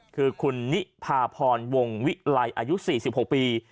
คือคุณนิพาพรวงวิไลอายุ๔๖ปี